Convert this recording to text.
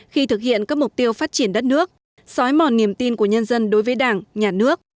khi thực hiện các mục tiêu phát triển đất nước xói mòn niềm tin của nhân dân đối với đảng nhà nước